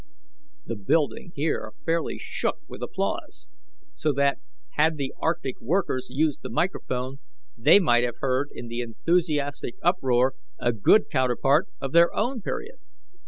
[The building here fairly shook with applause, so that, had the arctic workers used the microphone, they might have heard in the enthusiastic uproar a good counterpart of their own period.